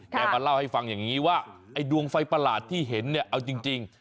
มาเล่าให้ฟังอย่างนี้ว่าไอ้ดวงไฟประหลาดที่เห็นเนี่ยเอาจริง